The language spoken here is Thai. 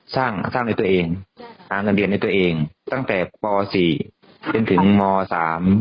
สร้างสร้างในตัวเองอาจารย์เรียนในตัวเองตั้งแต่ป่าวสี่เด็นถึงม้อสาม